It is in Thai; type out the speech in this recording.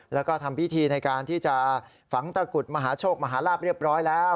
แล้วก็ทำพิธีในการที่จะฝังตะกุดมหาโชคมหาลาบเรียบร้อยแล้ว